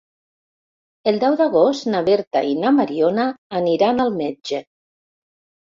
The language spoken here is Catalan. El deu d'agost na Berta i na Mariona aniran al metge.